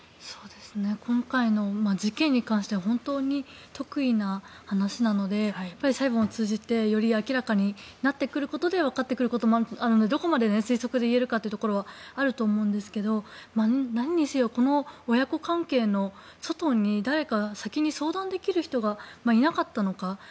今回の事件に関しては本当に特異な話なので裁判を通じてより明らかになってわかってくることもあるのでどこまで推測で言えるかというところはあると思いますがなんにせよこの親子関係の外に誰か相談できる人がいなかったのか。